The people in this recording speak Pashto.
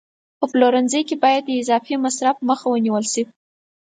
په پلورنځي کې باید د اضافي مصرف مخه ونیول شي.